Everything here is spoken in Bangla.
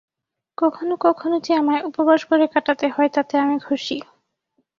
কখনও কখনও যে আমায় উপবাস করে কাটাতে হয়, তাতে আমি খুশী।